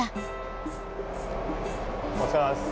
お疲れさまです。